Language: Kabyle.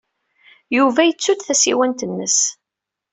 Yuba yettu-d tasiwant-nnes.